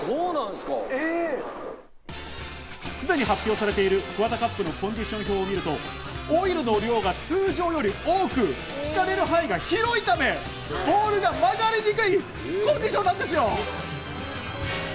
すでに発表されているＫＵＷＡＴＡＣＵＰのコンディション表を見ると、オイルの量が通常より多く、ひかれる範囲が広いため、ボールが曲がりにくいコンディションなんですよ。